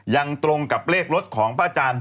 ยังตรงกับเลขรถของพระอาจารย์